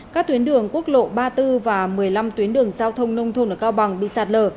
các tuyến đường quốc lộ ba mươi bốn và một mươi năm tuyến đường giao thông nông thôn ở cao bằng bị sạt lở